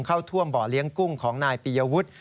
เข้าท่วมบ่อเลี้ยงกุ้งของนายปียวุฒิ